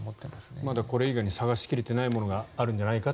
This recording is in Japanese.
まだこれ以外に捜し切れてないものがあるんじゃないかと。